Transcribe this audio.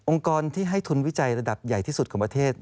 กรที่ให้ทุนวิจัยระดับใหญ่ที่สุดของประเทศ